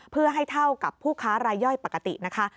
เพื่อให้เท่ากับผู้ค้ารายย่อยปกตินะคะ